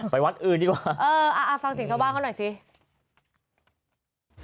ไปวัดอื่นดีกว่าเอ้ออ่าฟังสิ่งชาวบ้าเขาหน่อยหนึ่ง